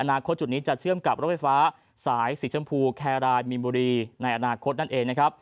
นาคตจุดนี้จะเชื่อมกับรถไฟฟ้าสายสีชมพูแครายมีนบุรีในอนาคตนั่นเองนะครับ